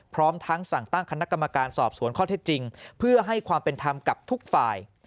พร้อมทั้งสั่งตั้งคณะกรรมการสอบสวนข้อเท็จจริงเพื่อให้ความเป็นธรรมกับทุกฝ่าย